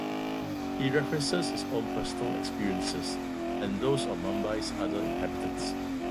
He references his own personal experiences and those of Mumbai's other inhabitants.